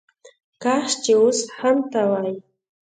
کاش چې وس هم ته وای